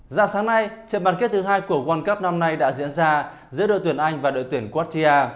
già sáng nay trận bàn kết thứ hai của world cup năm nay đã diễn ra giữa đội tuyển anh và đội tuyển quartia